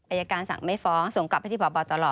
อายการสั่งไม่ฟ้องส่งกลับไปที่พบตล